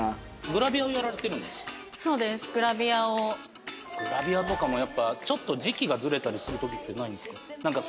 グラビアとかもやっぱちょっと時期がずれたりする時ってないんですか？